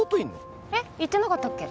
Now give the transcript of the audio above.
言ってなかったっけ？